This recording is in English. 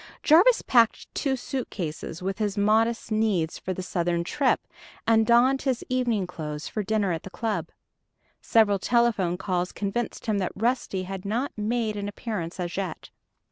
Jarvis packed two suitcases with his modest needs for the Southern trip, and donned his evening clothes for dinner at the club. Several telephone calls convinced him that Rusty had not made an appearance as yet.